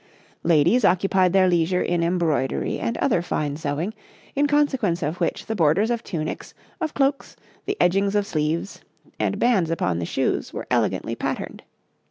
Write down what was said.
Ladies occupied their leisure in embroidery and other fine sewing, in consequence of which the borders of tunics, of cloaks, the edgings of sleeves, and bands upon the shoes, were elegantly patterned.